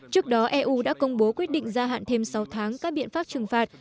trước đó eu đã công bố quyết định gia hạn thêm sáu tháng các biện pháp trừng phạt